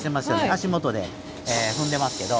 足元で踏んでますけど。